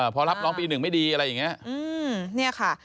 พอรับน้องปี๑ไม่ดีอะไรอย่างนี้